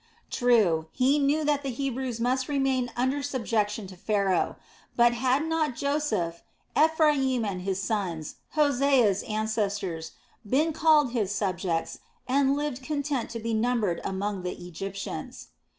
True, he knew that the Hebrews must remain under subjection to Pharaoh. But had not Joseph, Ephraim, and his sons, Hosea's ancestors, been called his subjects and lived content to be numbered among the Egyptians.